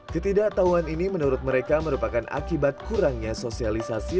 ketidaktahuan ini menurut mereka merupakan akibat kurangnya sosialisasi